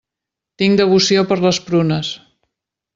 Tinc devoció per les prunes.